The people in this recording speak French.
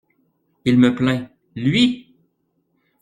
Il me plaint, lui!